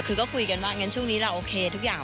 คือก็คุยกันว่างั้นช่วงนี้เราโอเคทุกอย่าง